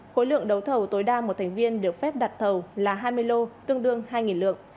khối lượng đấu thầu tối đa một thành viên được phép đặt thầu là hai mươi lô tương đương hai lượng